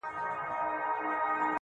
مړ به سم مړى به مي ورك سي گراني ~